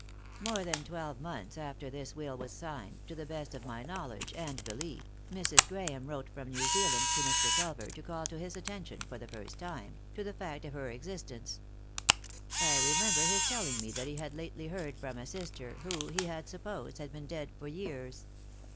" More than twelve months after this will was signed, to the best of my knowledge and belief, Mrs. Grahame wrote from New Zealand to Mr. Culver to call his attention, for the first time, to the fact of her existence. I remember his telling me that he had lately heard from a sister who, he had supposed, had been dead for years.